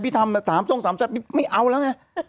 พี่ทำสามส้มสามแซ่บพี่ไม่เอาแล้วนะ